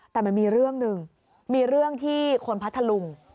แต่มันมีเรื่องหนึ่งมีเรื่องที่คนพัทธลุง